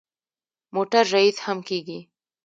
موټر ریس هم کېږي.